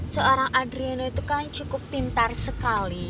seorang adriana itu kan cukup pintar sekali